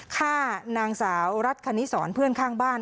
ฆ่านางสาวรัฐคณิสรเพื่อนข้างบ้าน